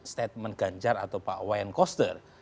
statement ganjar atau pak wayan koster